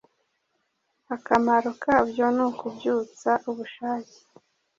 Akamaro kabyo ni ukubyutsa ubushake